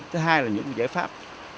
thứ hai là những giải pháp